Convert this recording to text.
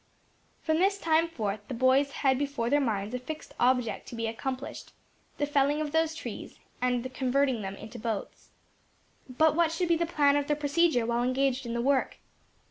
From this time forth the boys had before their minds a fixed object to be accomplished the felling of those trees, and converting them into boats. But what should be the plan of their procedure while engaged in the work?